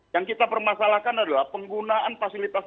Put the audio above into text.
yang kita permasalahkan adalah penggunaan fasilitas